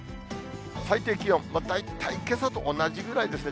最低気温、大体けさと同じぐらいですね。